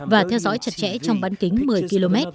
và theo dõi chặt chẽ trong bán kính một mươi km